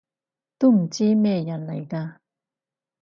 都唔知咩人嚟㗎